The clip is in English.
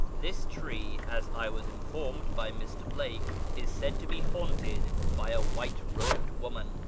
This tree, as I was informed by Mr. Blake, is said to be haunted by a white robed woman.